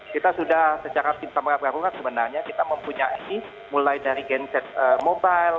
kita sudah secara pingsan merah merah sebenarnya kita mempunyai mulai dari genset mobile